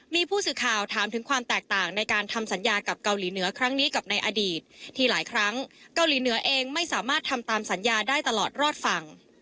มีผู้สื่อข่าวถามถึงความแตกต่างในการทำสัญญากับเกาหลีเหนือครั้งนี้กับในอดีตที่หลายครั้งเกาหลีเหนือเองไม่สามารถทำตามสัญญาได้ตลอดรอดฝั่ง